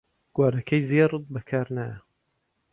گوارەکەی زێڕت بەکار نایە